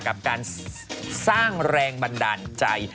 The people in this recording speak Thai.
กับการสร้างแรงบันดาลใจ